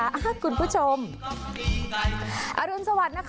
ขอรับคุณผู้ชมอรุณสวัสดีนะคะ